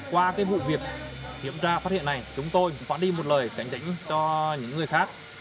qua cái vụ việc kiểm tra phát hiện này chúng tôi phản đi một lời cảnh định cho những người khác